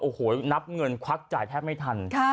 โอ้โหนับเงินควักจ่ายแทบไม่ทัน